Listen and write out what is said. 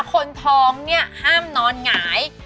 คนท้องเนี่ยห้ามนอนหงาย